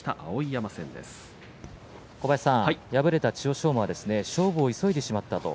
敗れた千代翔馬は勝負を急いでしまったと。